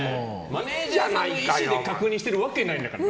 マネジャーさんの意思で確認してるわけないんだから。